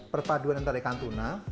pertaduan antara ikan tuna